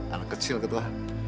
anak kecil ketua